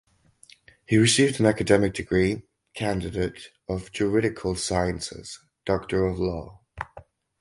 He received an academic degree (candidate) of juridical sciences (Doctor of Law).